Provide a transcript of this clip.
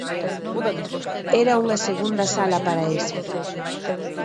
Era unha segunda sala para ese.